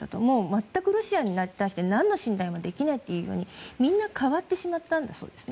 全くロシアに対して何の信頼もできないというようにみんな変わってしまったんだそうです。